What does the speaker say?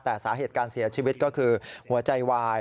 แต่สาเหตุการเสียชีวิตก็คือหัวใจวาย